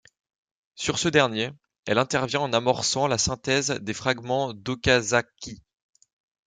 Sur ce dernier, elle intervient en amorçant la synthèse des fragments d'Okazaki.